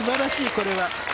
これは。